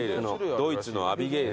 ドイツのアビゲイル。